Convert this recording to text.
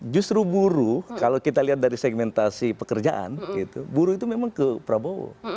justru buruh kalau kita lihat dari segmentasi pekerjaan buruh itu memang ke prabowo